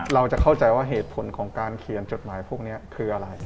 เราจะเข้าใจว่าเหตุผลของการเขียนจดหมายพวกนี้คืออะไร